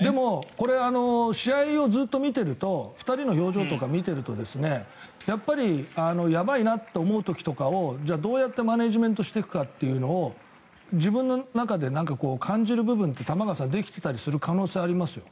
でも、これ試合をずっと見てると２人の表情とか見てるとやっぱりやばいなって思う時とかじゃあ、どうやってマネジメントしていくかというのを自分の中で感じる部分って玉川さんはできている可能性はありますよ。